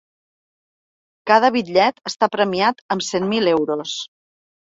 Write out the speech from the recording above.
Cada bitllet està premiat amb cent mil euros.